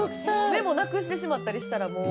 メモなくしてしまったりしたらもう。